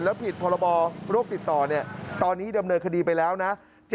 แล้วผิดพรบโรคติดต่อตอนนี้ดำเนินคดีไปแล้วนะ